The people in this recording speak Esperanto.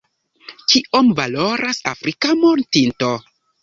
Kiom valoras afrika mortinto?